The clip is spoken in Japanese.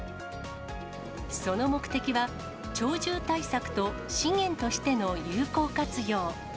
その目的は、鳥獣対策と資源としての有効活用。